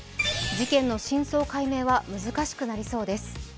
事件の真相解明は難しくなりそうです。